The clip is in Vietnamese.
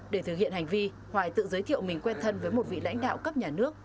để thực hiện hành vi hoài tự giới thiệu mình quen thân với một vị lãnh đạo cấp nhà nước